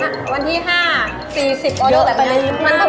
ในที่มันเห็นนะ